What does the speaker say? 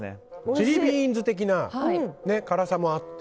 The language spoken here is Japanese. チリビーンズ的な辛さもあって。